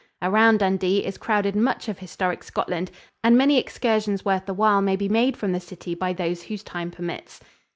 Around Dundee is crowded much of historic Scotland, and many excursions worth the while may be made from the city by those whose time permits.